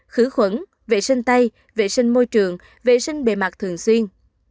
hai khứ khuẩn vệ sinh tay vệ sinh môi trường vệ sinh bề mặt thường xuyên